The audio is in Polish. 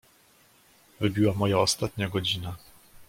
"Wybiła moja ostatnia godzina."